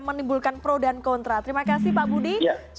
menimbulkan pro dan kontra terima kasih pak budi